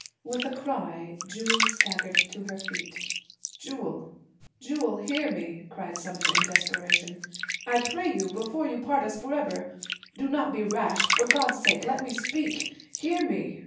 With a cry Jewel staggered to her feet. "Jewel, Jewel, hear me," cried Sumner in desperation, "I pray you, before you part us forever. Do not be rash; for God's sake, let me speak, hear me!"